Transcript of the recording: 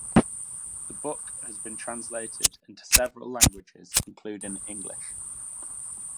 The book has been translated into several languages including English.